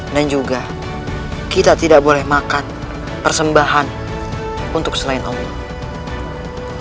dan juga kita tidak boleh makan persembahan untuk selain allah